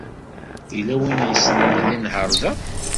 Yella win ay yessnen ad yenheṛ da?